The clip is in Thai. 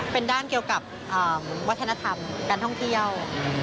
เป็นด้านเกี่ยวกับวัฒนธรรมการท่องเที่ยว